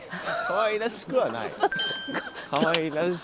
かわいらしくはない。